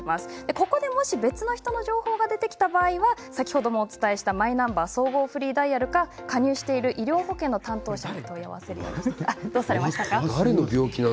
ここがもし別の人の情報が出てきた場合は先ほどお伝えしたマイナンバー総合フリーダイヤルか加入している医療保険の担当さんに問い合わせてください。